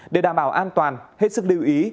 để đảm bảo an toàn hết sức lưu ý